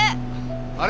あれ？